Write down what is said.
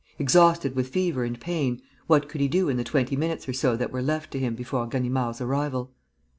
Exhausted with fever and pain, what could he do in the twenty minutes or so that were left to him before Ganimard's arrival?